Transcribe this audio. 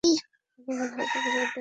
তোমার হাতগুলো দেখতে দাও।